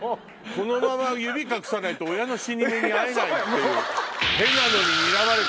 このまま指隠さないと親の死に目に会えないっていう。